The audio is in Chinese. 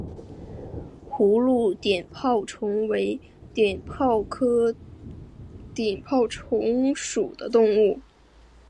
葫芦碘泡虫为碘泡科碘泡虫属的动物。